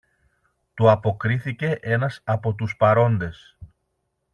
του αποκρίθηκε ένας από τους παρόντες.